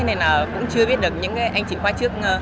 nên là cũng chưa biết được những anh chị khoa trước